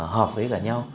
học với cả nhau